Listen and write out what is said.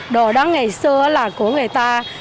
đồ đó ngày xưa là của người ta